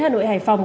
hà nội hải phòng